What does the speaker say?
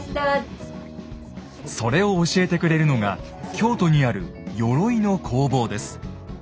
それを教えてくれるのが京都にある鎧の工房です。